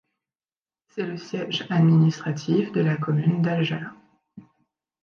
C'est le siège administratif de la commune d'Haljala.